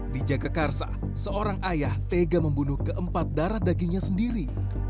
di jagakarsa seorang ayah tega membunuh keempat darah dagingnya sendiri